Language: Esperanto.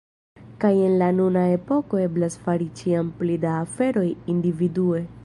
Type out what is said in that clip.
Kaj en la nuna epoko eblas fari ĉiam pli da aferoj individue.